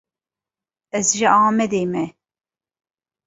Ez ji Amedê me.